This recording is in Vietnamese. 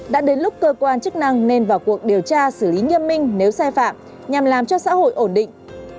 đã đến lúc cơ quan chức năng nên vào cuộc điều tra xử lý nghiêm minh nếu sai phạm nhằm làm cho xã hội ổn định